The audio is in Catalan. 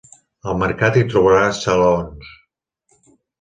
Al mercat hi trobaràs salaons.